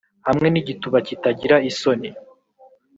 hamwe nigituba kitagira isoni,